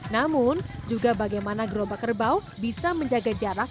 namun juga bagaimana gerobak kerbau bisa menjaga jarak